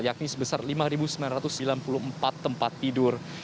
yakni sebesar lima sembilan ratus sembilan puluh empat tempat tidur